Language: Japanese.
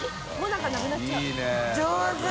上手！